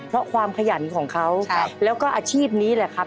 เพราะความขยันของเขาแล้วก็อาชีพนี้แหละครับ